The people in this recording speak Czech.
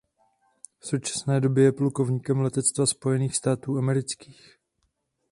V současné době je plukovníkem letectva Spojených států amerických.